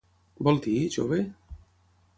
Vol dir, jove?